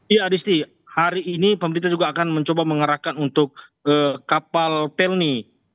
ya adisti hari ini pemerintah juga akan mencoba mengerahkan untuk kapal pelni